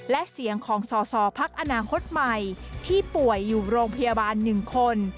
และเสียงของสอสอพักอนาคตใหม่ที่ป่วยอยู่โรงพยาบาล๑คน